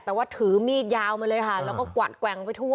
แต่ว่าถือมีดยาวมาเลยค่ะแล้วก็กวัดแกว่งไปทั่ว